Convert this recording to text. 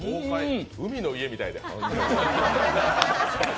海の家みたいで。